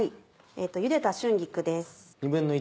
ゆでた春菊です。